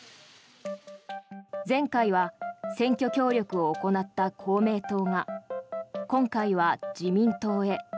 前回は選挙協力を行った公明党が今回は自民党へ。